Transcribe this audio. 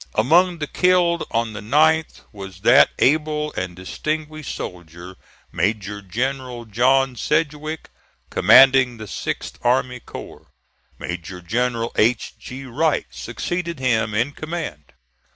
Among the killed on the 9th was that able and distinguished soldier Major General John Sedgwick, commanding the sixth army corps. Major General H. G. Wright succeeded him in command.